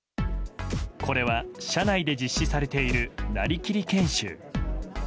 これは社内で実施されているなりきり研修。